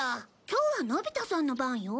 今日はのび太さんの番よ。